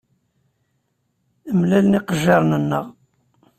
Mlalen yiqejjiren-nneɣ.